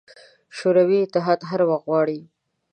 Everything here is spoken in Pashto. شوروي اتحاد هر وخت غواړي.